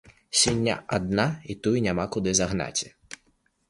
Свіння адна, і тую няма куды загнаць.